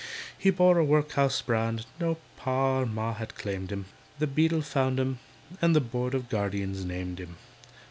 He bore a workhouse brand; No Pa or Ma had claimed him, The Beadle found him, and The Board of Guardians named him.